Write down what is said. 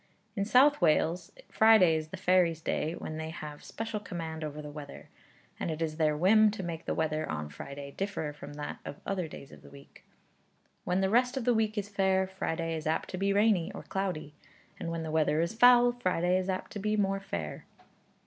In South Wales, Friday is the fairies' day, when they have special command over the weather; and it is their whim to make the weather on Friday differ from that of the other days of the week. 'When the rest of the week is fair, Friday is apt to be rainy, or cloudy; and when the weather is foul, Friday is apt to be more fair.'